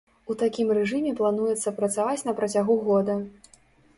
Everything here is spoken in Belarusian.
У такім рэжыме плануецца працаваць на працягу года.